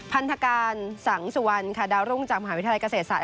พันธการสังสุวรรษประโลกรายรุ้งของมหาวิทยาลัยเกษตรศาสตร์